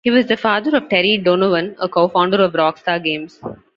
He was the father of Terry Donovan, a co-founder of Rockstar Games.